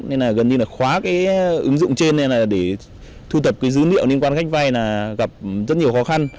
nên là gần như là khóa cái ứng dụng trên nên là để thu thập cái dữ liệu liên quan đến khách vay là gặp rất nhiều khó khăn